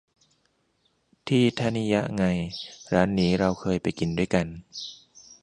ที่ธนิยะไง ร้านนี้เราเคยไปกินด้วยกัน